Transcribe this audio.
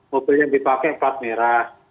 bahwa mobil yang dipakai pelat merah